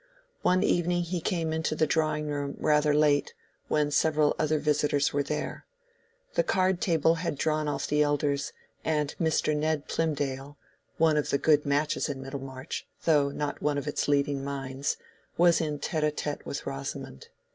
One evening he came into the drawing room rather late, when several other visitors were there. The card table had drawn off the elders, and Mr. Ned Plymdale (one of the good matches in Middlemarch, though not one of its leading minds) was in tête à tête with Rosamond.